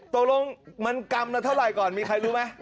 ตรงมันกรรมเท่าไหร่ก่อนมีใครรู้มั้ย